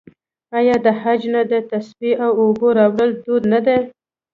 آیا د حج نه د تسبیح او اوبو راوړل دود نه دی؟